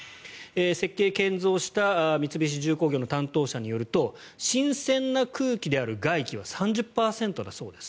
設計・建造をした三菱重工業の担当者によると新鮮な空気である外気は３０％だそうです。